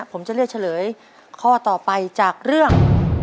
ผมจะเลือกเฉลยข้อต่อไปจากเรื่อง